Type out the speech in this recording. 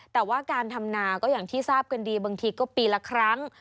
แต่ว่าการทำนาก็อย่างที่ทราบกันดีบางทีก็ปีละครั้ง